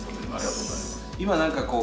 今何かこう